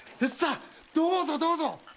さあどうぞどうぞ！